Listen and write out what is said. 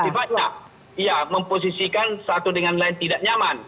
bukan gimmick gimmick yang sifatnya memposisikan satu dengan lain tidak nyaman